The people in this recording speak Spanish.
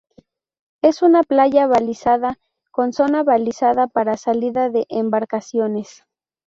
Es una playa balizada, con zona balizada para salida de embarcaciones.